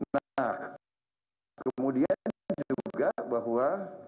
nah kemudian juga bahwa